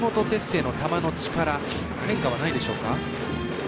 星の球の力変化はないでしょうか。